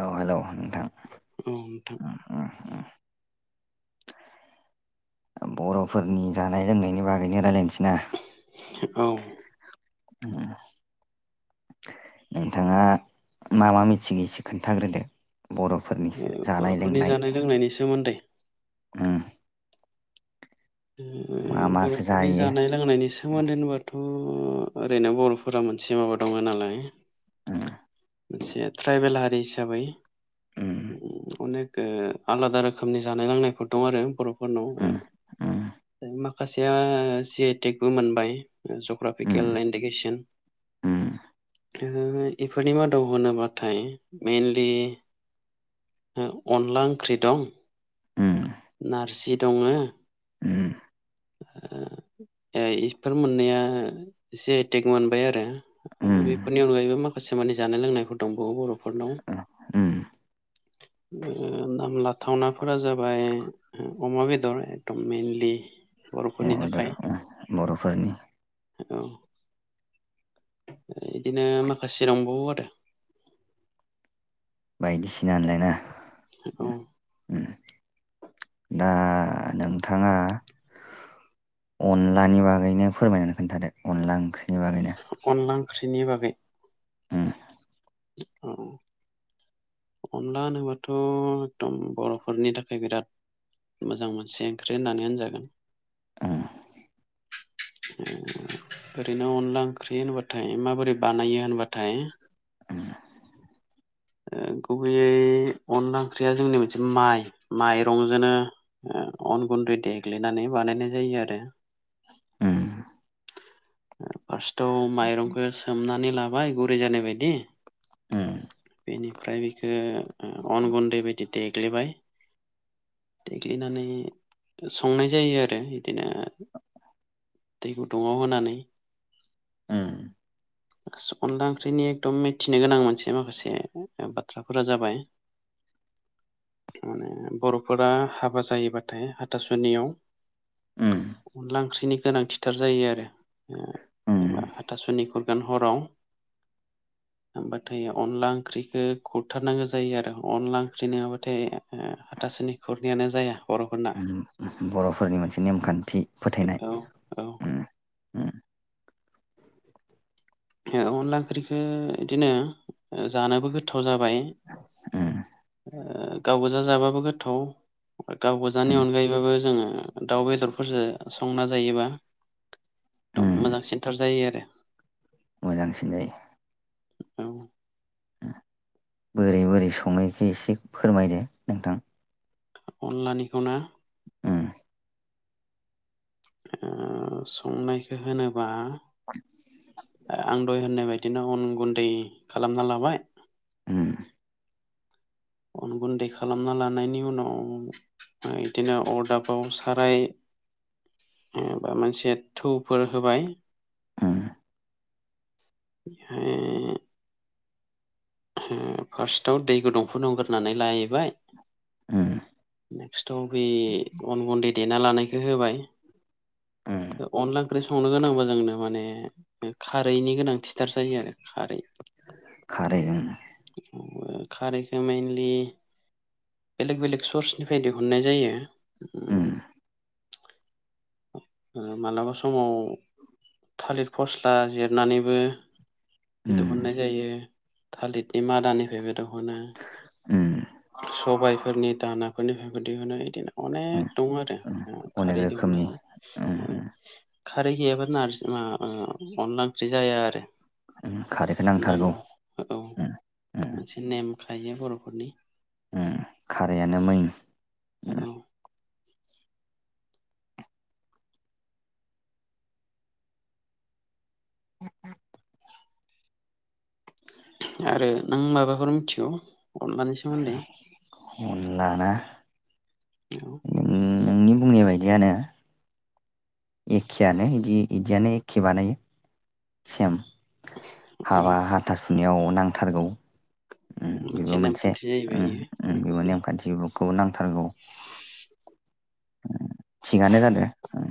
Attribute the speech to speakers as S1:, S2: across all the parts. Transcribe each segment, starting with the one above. S1: औ हेल' नोंथां
S2: नोंथां
S1: बर'फोरनि जानाय लोंनायनि बागैनो रायलायनोसै ना
S2: औ
S1: उम नोंथाङा मा मा मिथिगो एसे खोन्थाग्रोदो बर'फोरनि जानाय
S2: बर'फोरनि
S1: लोंनाय
S2: जानाय लोंनायनि सोमोन्दै
S1: उम मा माखौ
S2: बर'फोरनि
S1: जायो
S2: जानाय लोंनायनि सोमोन्दै होनोबाथ' उम ओरैनो बर'फोरा मोनसे माबा दङ नालाय
S1: [inaudible]
S2: मोनसे ट्राइबेल हारि हिसाबै
S1: उम
S2: अनेक आलादा रोखोमनि जानाय लोंनायफोर दं आरो बर'फोरनाव
S1: उम
S2: माखासेया जि आइ टेगबो मोनबाय।
S1: उम
S2: जग्राफिकेल इन्डिकेसन
S1: उम
S2: [unintelligible] इफोरनि मादाव होनोबाथाय मेइनलि अनला ओंख्रि दं,
S1: उम
S2: नारजि दङ
S1: उम
S2: ओ एफोर मोन्नैया जि आइ टेक मोनबाय आरो
S1: उम उम
S2: बेफोरनि अनगायैबो माखासे माने जानाय लोंनायफोर दंबावो बर'फोरनाव
S1: उम
S2: ओ नाम लाथावनाफोरा जाबाय अमा बेदर एकदम मेनलि
S1: अमा बेदर बर'फोरनि
S2: औ
S1: [inaudible]
S2: बिदिनो माखासे दंबावो आरो।
S1: बायदिसिना [unintelligible]
S2: औ
S1: उम दा नोंथाङा अनलानि बागैनो फोरमायनानै खोनथादो अनला ओंख्रि
S2: अनला ओंख्रिनि बागै
S1: ओम
S2: औ अनला होनोबाथ' एकदम बर'फोरनि थाखाय बिराद मोजां मोनसे ओंख्रि होननानै होनजागोन
S1: उम
S2: ओरैनो अनला ओंख्रि होनबाथाय माबोरै बानायो होनबाथाय ओ
S1: [inaudible]
S2: गुबैयै अनला ओंख्रिया जोंनि मोनसे माइ माइरंजोंनो ओ अन गुन्दै देग्लिनानै बानायनाय जायो आरो
S1: ओम
S2: फास्तआव माइरंखो सोमनानै लाबाय गुरि जानाय बायदि
S1: ओम
S2: बेनिफ्राय बेखो ओ अन गुन्दै बायदि देग्लेबाय देग्लिनानै संनाय जायो आरो बिदिनो दै गुदुङाव होनानै
S1: ओम
S2: अनला ओंख्रिनि एकदम मिथिनो गोनां मोनसे माखासे बाथ्राफोरा जाबाय बर'फोरा हाबा जायोबाथाय हाथासुनियाव
S1: उम
S2: अनला ओंख्रिनि गोनांथिथार जायो आरो
S1: उम
S2: जेनबा हाथासुनिखौ जेन हराव हबाथाय अनला ओंख्रैखो खुरथारनांगो जायो आरो अनला ओंख्रि नोङाबाथाय हाथासिनि खुरनायानो जाया बर'फोरना
S1: उम बर'फोरनि मोनसे नेमखान्थि फोथायनाय
S2: औ औ
S1: उम उम
S2: अनला ओंख्रिखो इदिनो जानोबो गोथाव जा बाय
S1: उम
S2: ओ गाव गोजाजाबाबो गोथाव गाव गोजानि
S1: उम
S2: अनगायैबाबो जोंङो दाउ बेदरफोरजो संना जायोबा
S1: उम
S2: दम मोजां सेन्थार जायो आरो
S1: मोजां सिनै
S2: औ
S1: बोरै बोरै संहैखो एसे फोरमायदो नोंथां
S2: अनलानिखौनो
S1: उम
S2: ओ संनायखो होनोबा
S1: [unintelligible]
S2: आं दय होननाय बायदिनो अन गुन्दै खालामना लाबाय
S1: उम
S2: अन गुन्दै खालामना लानायनि उनाव ओ इदिनो अरदाबाव साराय
S1: [inaudible]
S2: एबा मोनसे थौफोर होबाय
S1: उम
S2: ए उमहु फार्स्टाव दै गुदुं फुदुं ग्रोनानै लायो बाय
S1: उम
S2: नेक्सताव बे अन गुन्दै देना लानायखो होबाय
S1: उम
S2: ओ अनला ओंख्रि संनो गोनांबा जोंनो माने खारैनि गोनांथिथार जायो आरो खारै।
S1: खारैजों ओं
S2: खारैखौ मेनलि बेलेग बेलेग सर्सनिफ्राय दिहुननाय जायो
S1: उम
S2: ओ मालाबा समाव थालिर फस्ला जिरनानैबो
S1: उम
S2: दिहुननाय जायो थालितनि मादानिफायबो दहनो
S1: उम
S2: सबाय फोरनि दानाफोरनिफ्रायबो दिहुनाय बिदिनो
S1: उम
S2: अनेक दङ आरो
S1: उम अनेक
S2: खारै
S1: रोखोमनि
S2: दिहुननाय
S1: उम उम
S2: खारै गैयाबा नारजि ओ ओ अनला ओंख्रै जाया आरो
S1: उम खारैखो नांथारगौ
S2: नांगौ ओ-औ
S1: उम
S2: मोनसे नेम खायो बर'फोरनि
S1: ओम खारैआनो मैन
S2: औ आरो नों माबाफोर मिथिगौ? अनलानि सोमोन्दै
S1: अनला ना? नों
S2: [unintelligible]
S1: नोंनि बुंनाय बायदियानो एखेआनो इदि इदियानो एखे बानायो सेम
S2: औ
S1: हाबा हाथासुनिआव नांथारगौ उम बेबो मोनसे
S2: नेमखान्थि जाहैबाय
S1: उम
S2: इयो
S1: उम बेबो
S2: बर'फोरनि
S1: नेमखान्थि बुं खौ नांथारगौ उम थिगानो जादो उम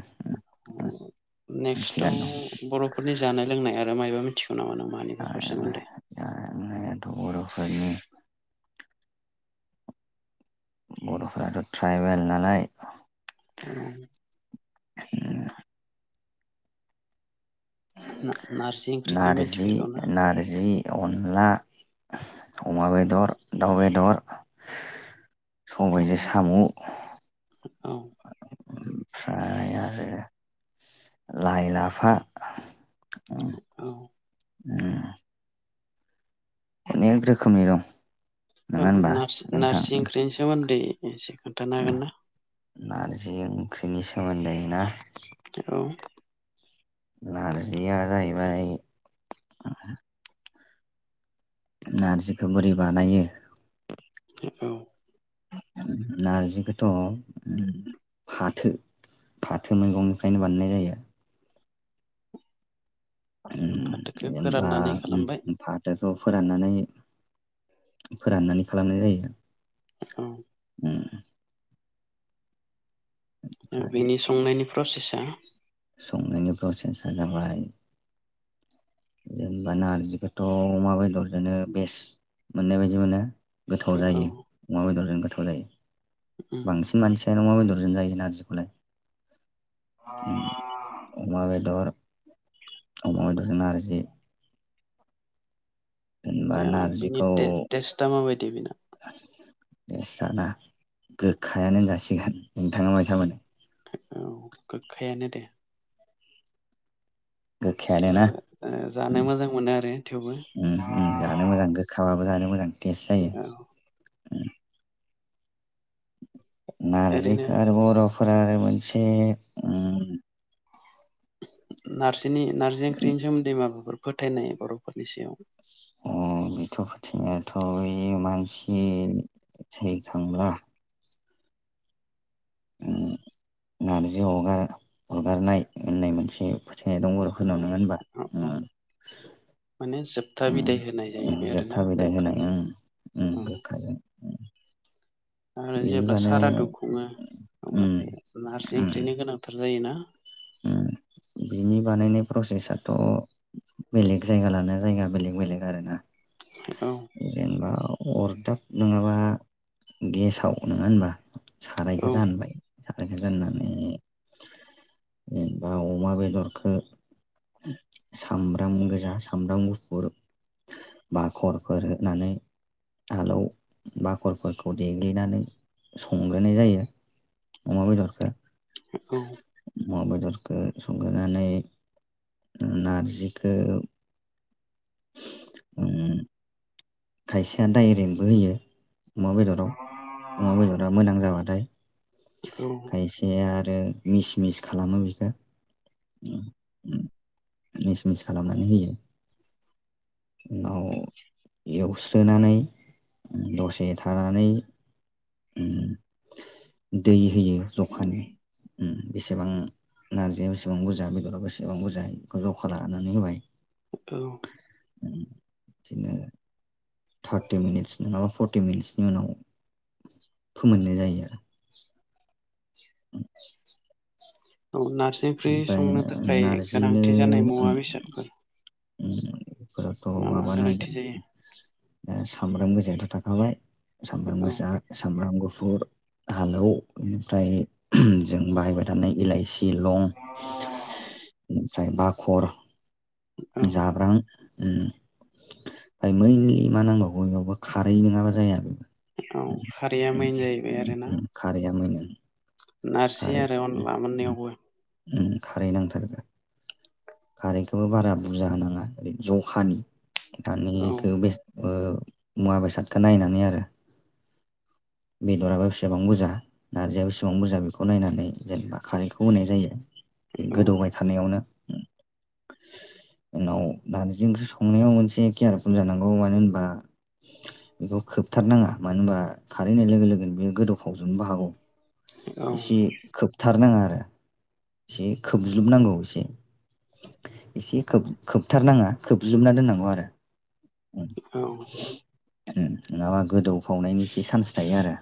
S1: उम थिगानो
S2: नेक्स्टआव बर'फोरनि जानाय लोंनाय आरो मायबा मि
S1: [unintelligible] बर'फोरनि बर'फोराथ' थ्राइबेल नालाय
S2: औ
S1: [inaudible]
S2: [unintelligible] ओंख्रिखौ
S1: नारजि
S2: मिथिफेरगौना
S1: नारजि अनला अमा बेदर दाउ बेदर सबायजो सामु
S2: औ
S1: ओमफ्राय आरो लाइ लाफा उम
S2: औ
S1: उम अनेक रोखोमनि दं नङा
S2: औ
S1: होनबा
S2: नास
S1: नोंथां?
S2: नारजि ओंखौनि सोमोन्दै एसे खोन्थानो हागोन ना?
S1: बिनि सोमोन्दै ना
S2: औ
S1: नारजिया जाहैबाय नार्जिखौ बोरै बानायो?
S2: ए औ
S1: नारजिखोथ' फाथो फाथो मैगंनिफ्रायनो बानायनाय जायो। उम
S2: फाथोखौ
S1: जेनबा
S2: फोराननानै
S1: उम
S2: खालामबाय
S1: उ फाथोखौ फोराननानै फोराननानै खालामनाय जायो
S2: ओ उम
S1: उम ओमफ्राय
S2: बिनि संनायनि प्रसेसा
S1: संनायनि प्रसेसा जाबाय जेनेबा नारजिखोथ' अमा बेदरजोनो बेस मोननाय बायदि मोनो गोथाव
S2: औ
S1: जायो अमा बेदरजों गोथाव जायो
S2: उम
S1: बांसिन मानसि जानो मा बेदरजों जायो नारजिखौलाय उम अमाबेदर अमाबदेरजों नारजि जे एनबा
S2: आ, बिनि
S1: नारजिखौ
S2: टे- टेस्टआ माबायदि बेना
S1: देसाना गोखायानो होनजा सिगोन नोंथाङा मायसा मोनो
S2: औ गोखायानो दे
S1: गोखायानो ना
S2: थेवबाबो ओ जानो मोजां मोनो आरो थेवबो
S1: उम उम जानो मोजां गोखाबाबो जानो मोजां टेस जायो
S2: औ ओरैनो
S1: नारजिखो आरो बर'फोरा आरो मोनसे उम
S2: नारजिनि नारजि ओंख्रिनि सोमोन्दै माबाफोर फोथायनाय बर'फोरनि सायाव
S1: अ बिथ' फोथायनायाथ' ओइ मानसि थैखांब्ला नारजिअगा अरगारनाय होननाय मोनसे फो थे दं बर'फोरनाव
S2: औ
S1: नोंङो होनबा
S2: औ
S1: ओ
S2: औ माने जोबथा
S1: ओं
S2: बिदाय होनाय
S1: ओं
S2: जाहैबाय आरोना
S1: जोबथा बिदइ होनाय
S2: गोखाजों
S1: ओं ओं
S2: औ
S1: जोबथाजों ओं
S2: आरो जेब्ला सारादु खुङो
S1: उम
S2: अब्लाथाय नारजि
S1: उम
S2: ओंख्रिनो गोनांथार जायोना
S1: उम बिनि बानायनाय प्रसेसाथ' बेलेग जायगा लाना जायगा बेलेग बेलेग आरोना
S2: औ
S1: जेनबा अरदाब नङाबा गेसाव नङा होनबा सारायखौ
S2: औ
S1: जानबाय सारायखो जाननानै जेनबा अमा बेदरखो सामब्राम गोजा सामब्राम गुफुर बा खरफोर होनानै आलौ बाखरफोरखौ देग्लिनानै संग्रोनाय जायो। अमाब दरखार [inaudible]
S2: औ
S1: अमा बेदरखौ संग्रोनानै नारजिखौ उ [inaudible] खायसेया डाइरेक्टबो होयो अमा बेदरखौ। अमा बेदरा मोनां जाबाथाय
S2: औ
S1: खायसे आरो मिस मिस खालामो बेखौ। मिस मिस खालामनानै होयो। न [unintelligible] एवस्रोनानै दसे थानानै दै होयो जखानि उम बेसेबां नारजि बेसेबां बुरजा बेदरा बेसेबां बुरजा बेखौ जखा लानानै होबाय।
S2: औ
S1: उम थार्टि मिनिट्स नोङाबा फर्टि मिनिट्सनि उनाव फोमोननाय जायो आरो।
S2: [inaudible] औ नार्जि ओंख्रि
S1: ओमफ्राय
S2: संनो थाखाय गोनांथि जानाय मुवा बेसादफोर
S1: बेफोरथ'
S2: मा मा गोनांथि
S1: माबानांगोन
S2: जायो
S1: ओ सामब्राम गोजायाथ' थाखाबाय सामब्राम
S2: औ
S1: गोजा सामब्राम गफुर आलौ बेनिफ्राय जों बाहायबाय थानाय इलाइसि सिलं ओमफ्राय बाखर
S2: औ
S1: जाब्रां ओम ओमफ्राय मा नांबावगौ बेयावबो खारै नोङाबा जाया
S2: औ खारैया
S1: उम
S2: मेन जाहैबाय
S1: उम
S2: आरोना।
S1: उम खारैया मैन
S2: नारजि
S1: खारै
S2: आरो
S1: उम
S2: अनला
S1: उम
S2: मोननायावबो
S1: उम खारै नांथारगोन। खारैखौबो बारा बुरजा होनाङा ओरै जखानि। दा नै
S2: औ
S1: इखो बे मुवा बेसादखौ नायनानै आरो बेदराबो बेसेबां बुरजा नारजिआो बेसेबां बुरजा बे खौ नायनानै जेनेबा खारैखौ होनाय जायो बे
S2: औ
S1: गोदौबाय थानायावनो। उम उनाव नारजि ओंख्रि संनायाव मोनसे केयारपुल जानांगौ मानो होनबा बेखौ खोबथारनााङा मानो होनबा खारैनाय लोगो लोगोनो बेयो गोदौ फावजोबनोबो हागौ
S2: औ
S1: एसे खोबथारनाङा एसे खोबज्लुबनांगौ एसे एसे खोबथारनाङा खोबजोबना दोननांगौ आरो। उम,
S2: औ
S1: उम नङाबा गोदौफावनायनि एसे चान्स थायो आरो। [inaudible]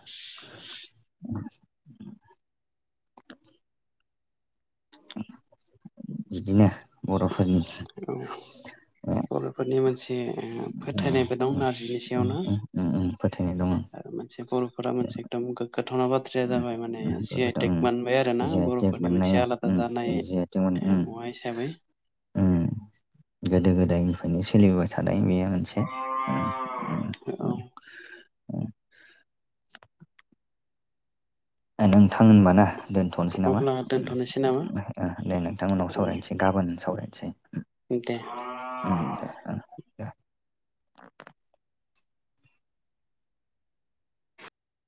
S1: बिदिनो बर'फोरनि ओ
S2: एसे
S1: उम,
S2: फोथायनायबो दं
S1: उम,
S2: नारजिनि
S1: उम,
S2: सायावनो
S1: उम, उम, फोथायनाय दङ
S2: ओ मोनसे बर'फोरा मोनसे एखदम गोगाथावना बाथ्राया जाबाय माने जि आइ टेक मोनबाय आरो ना
S1: आइ टेक
S2: बर'फोरनि मोनसे
S1: मोननाया
S2: आलादा
S1: उम
S2: जानाय
S1: जि आइ टेक मोन उम
S2: ओ मुवा हिसाबै।
S1: उम गोदो गोदायनिफ्रायनो सोलिबोबाय थानाय बेयो मोनसे। उम उम
S2: औ औ
S1: उम उम ओ नोंथां होनबा ना दोनथ'नोसै नामा?
S2: अब्ला
S1: उम
S2: दोनथ'नोसै नामा
S1: उम ओ ओ दे नोंथांमोननाव
S2: औ
S1: सावरायनोसै गाबोन सावरायनोसै। उम
S2: दे
S1: उम दे ओ। उम।